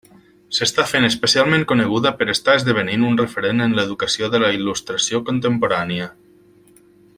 S'està fent especialment coneguda per estar esdevenint un referent en l'educació de la il·lustració contemporània.